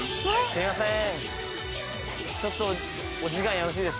すいません